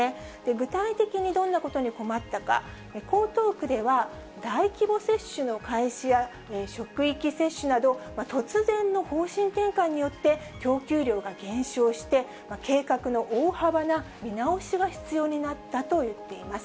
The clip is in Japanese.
具体的にどんなことに困ったか、江東区では大規模接種の開始や職域接種など、突然の方針転換によって供給量が減少して、計画の大幅な見直しが必要になったといっています。